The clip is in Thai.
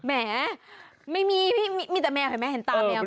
แหมไม่มีพี่มีแต่แมวเห็นไหมเห็นตาแมว